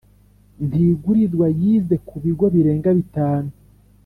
ntigurirwa yize ku bigo birenga bitanu